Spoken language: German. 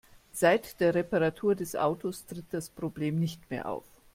Seit der Reparatur des Autos tritt das Problem nicht mehr auf.